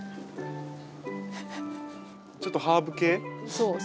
ちょっとハーブ系？